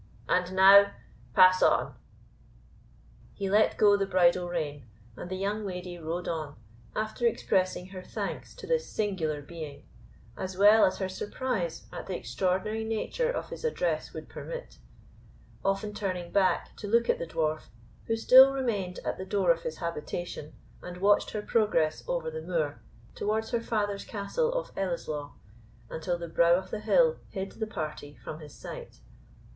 And now pass on." He let go the bridle rein, and the young lady rode on, after expressing her thanks to this singular being, as well as her surprise at the extraordinary nature of his address would permit, often turning back to look at the Dwarf, who still remained at the door of his habitation, and watched her progress over the moor towards her father's castle of Ellieslaw, until the brow of the hill hid the party from his sight.